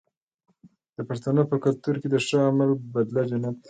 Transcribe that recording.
د پښتنو په کلتور کې د ښه عمل بدله جنت دی.